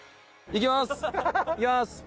いきます。